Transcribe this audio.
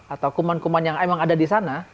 atau kuman kuman yang emang ada di sana